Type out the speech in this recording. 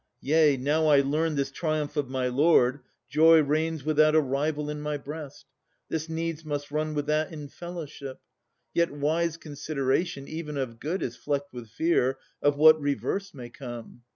Yea, now I learn this triumph of my lord, Joy reigns without a rival in my breast. This needs must run with that in fellowship. Yet wise consideration even of good Is flecked with fear of what reverse may come.